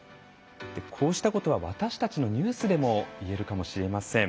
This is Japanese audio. こうしたことは私たちのニュースでもいえるかもしれません。